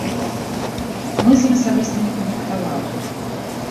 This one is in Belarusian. Мы з ім асабіста не кантактавалі.